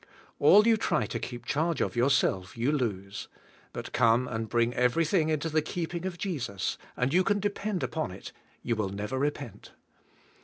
All you try to keep charge of yourself you lose, but come and bring everything into the keeping of Jesus, and you can depend upon it you will never repent.